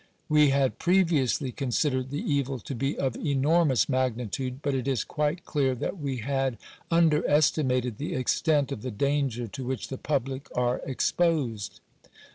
" We had previously considered the evil to be of enormous magnitude, but it is quite clear that we had under estimated the extent of the danger to which the public are exposed."